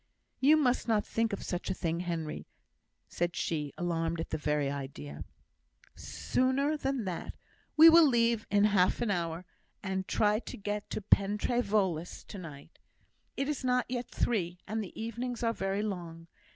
"You must not think of such a thing, Henry," said she, alarmed at the very idea. "Sooner than that, we will leave in half an hour, and try to get to Pen trê Voelas to night. It is not yet three, and the evenings are very long.